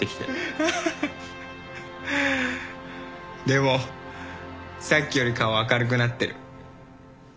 でもさっきより顔明るくなってる。